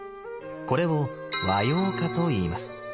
これを「和様化」と言います。